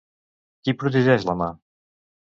Qui protegeix la mà?